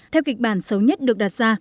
theo kịch bản xấu nhất được đặt ra